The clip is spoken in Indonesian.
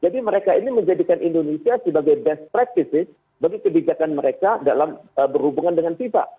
jadi mereka ini menjadikan indonesia sebagai best practices bagi kebijakan mereka dalam berhubungan dengan tiba